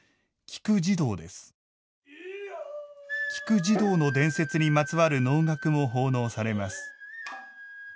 菊慈童の伝説にまつわる能楽も奉納されます。